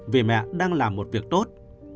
vì mẹ đang làm một việc tốt